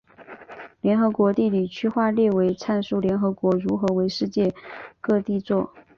联合国地理区划列表阐述联合国如何为世界各地作。